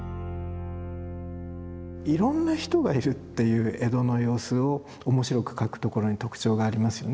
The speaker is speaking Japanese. いろんな人がいるっていう江戸の様子を面白く描くところに特徴がありますよね。